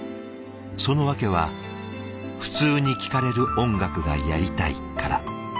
その訳は普通に聴かれる音楽がやりたいから。